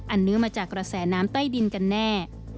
เนื้อมาจากกระแสน้ำใต้ดินกันแน่